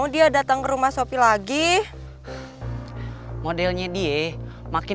kita pelihara ayamnya tidak sedikit